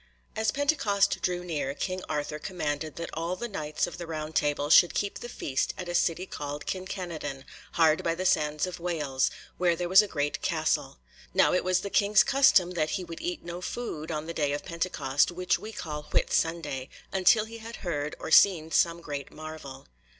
As Pentecost drew near King Arthur commanded that all the Knights of the Round Table should keep the feast at a city called Kin Kenadon, hard by the sands of Wales, where there was a great castle. Now it was the King's custom that he would eat no food on the day of Pentecost, which we call Whit Sunday, until he had heard or seen some great marvel.